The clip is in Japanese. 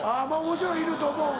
もちろんいると思う。